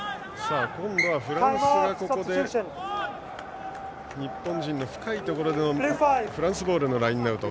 今度はフランスがここで日本陣内深いところでのフランスボールのラインアウト。